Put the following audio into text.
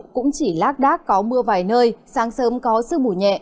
cũng chỉ lác đác có mưa vài nơi sáng sớm có sương mù nhẹ